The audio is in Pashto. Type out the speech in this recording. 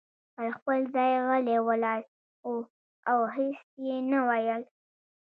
پر خپل ځای غلی ولاړ و او هیڅ یې نه ویل.